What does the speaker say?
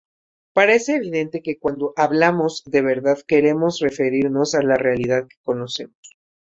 Parece evidente que cuando hablamos de verdad queremos referirnos a la realidad que conocemos.